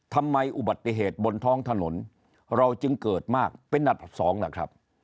ทำไมอุบัติเหตุบนท้องถนนเราจึงเกิดมากเป็นอันดับสองล่ะครับ